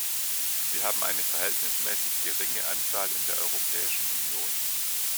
Wir haben eine verhältnismäßig geringe Anzahl in der Europäischen Union.